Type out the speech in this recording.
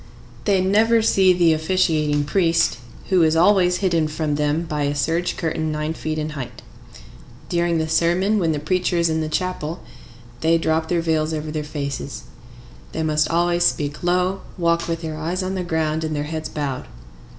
They never see the officiating priest, who is always hidden from them by a serge curtain nine feet in height. During the sermon, when the preacher is in the chapel, they drop their veils over their faces. They must always speak low, walk with their eyes on the ground and their heads bowed.